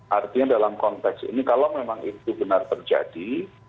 artinya dalam konteks ini kalau memang itu benar terjadi